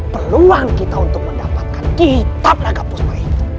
peluang kita untuk mendapatkan kitab raga puspa itu